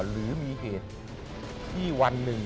หรือมีเหตุที่วันหนึ่ง